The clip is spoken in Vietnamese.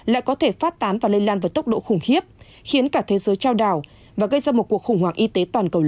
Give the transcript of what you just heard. lại có thể phát tán và lây lan với tốc độ khủng khiếp khiến cả thế giới trao đảo và gây ra một cuộc khủng hoảng y tế